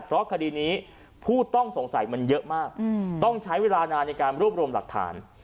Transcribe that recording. เพราะคดีนี้ผู้ต้องสงสัยมันเยอะมากต้องใช้เวลานานในการรวบรวมหลักฐาน